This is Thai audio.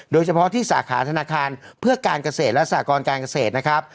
โดยเฉพาะที่สาขาธนาคารเพื่อการเกษตรและสากรการเกษตรนะครับ